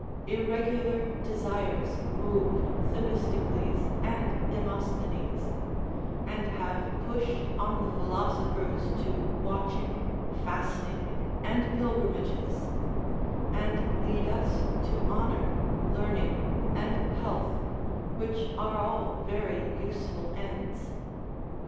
Irregular desires moved Themistocles, and Demosthenes, and have pushed on the philosophers to watching, fasting, and pilgrimages; and lead us to honour, learning, and health, which are all very useful ends.